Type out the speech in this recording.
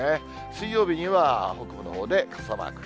水曜日には北部のほうで傘マーク。